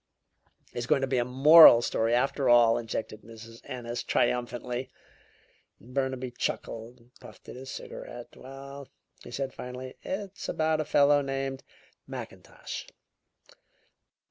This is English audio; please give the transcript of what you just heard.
"It's going to be a moral story, after all," interjected Mrs. Ennis triumphantly. Burnaby chuckled and puffed at his cigarette. "Well," he said finally, "it's about a fellow named Mackintosh."